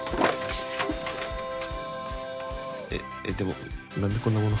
えっでも何でこんなもの？